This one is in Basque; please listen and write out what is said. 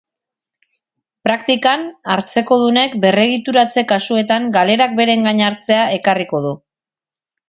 Praktikan, hartzekodunek berregituratze kasuetan galerak beren gain hartzea ekarriko du.